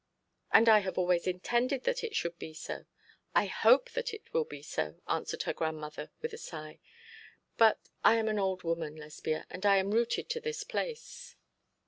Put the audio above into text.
'And I have always intended that it should be so. I hope that it will be so,' answered her grandmother, with a sigh; 'but I am an old woman, Lesbia, and I am rooted to this place.'